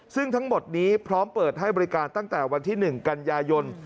ซึ่งทั้งหมดนี้พร้อมเปิดให้บริการตั้งแต่วันที่๑กันยายน